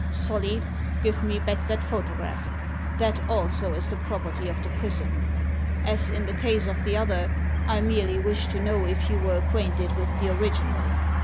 " Solly, give me back that photograph. That also is the property of the prison. As in the case of the other, I merely wished to know if you were ac quainted with the original.